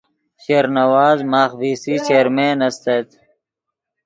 شیر نواز ماخ وی سی چیرمین استت